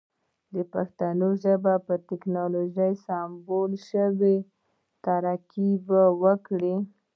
که پښتو ژبه په ټکنالوژی سمبال شی نو ترقی به وکړی